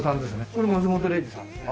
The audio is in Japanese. これ松本零士さんですね。